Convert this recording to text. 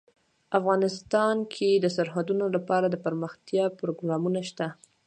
افغانستان کې د سرحدونه لپاره دپرمختیا پروګرامونه شته.